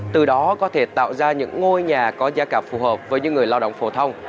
từ đó có thể tạo ra những ngôi nhà có giá cả phù hợp với những người lao động phổ thông